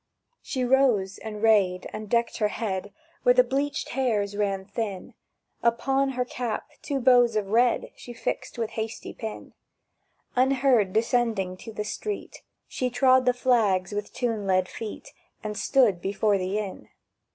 She rose, and rayed, and decked her head Where the bleached hairs ran thin; Upon her cap two bows of red She fixed with hasty pin; Unheard descending to the street, She trod the flags with tune led feet, And stood before the Inn.